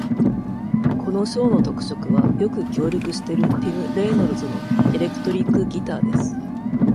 このショーの特色はよく協力してるティム・レイノルズのエレクトリック・ギターです。